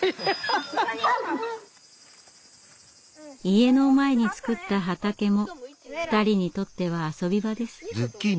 家の前に作った畑も２人にとっては遊び場です。